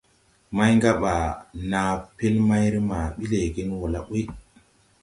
Màygabaa na pel mayrè ma bi leegen wo la ɓuy.